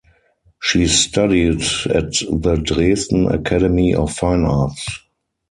She studied at the Dresden Academy of Fine Arts.